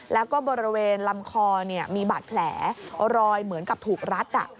แล้วก็บริเวณลำคอมีบาดแผลรอยเหมือนกับถูกรัด